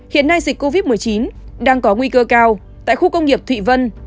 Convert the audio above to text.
hiện nay dịch covid một mươi chín đang có nguy cơ cao tại khu công nghiệp thụy vân